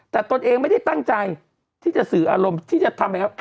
แต่ตนเองไม่ได้ตั้งใจที่จะสื่ออารมณ์ที่จะทำไปแล้ว